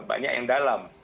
banyak yang dalam